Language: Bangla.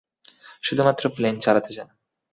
শুধুমাত্র প্লেন চালাতে চায়।